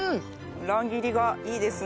乱切りがいいですね。